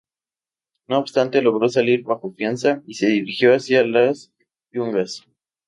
No obstante logró salir bajo fianza y se dirigió hacia las Yungas.